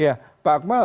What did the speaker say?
sampaikan di bmkg tadi